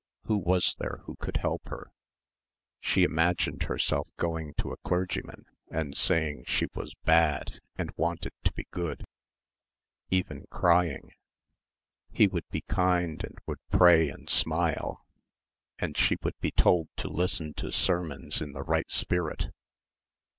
Who was there who could help her? She imagined herself going to a clergyman and saying she was bad and wanted to be good even crying. He would be kind and would pray and smile and she would be told to listen to sermons in the right spirit.